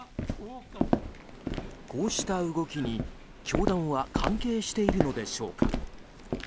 こうした動きに教団は関係しているのでしょうか。